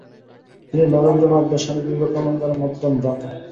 তিনি নরেন্দ্রনাথ বা স্বামী বিবেকানন্দর মধ্যম ভ্রাতা।